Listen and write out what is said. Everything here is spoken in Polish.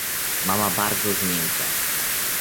"Mama bardzo zmiękła."